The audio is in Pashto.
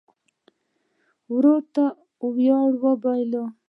ورور د تا ویاړ بولې.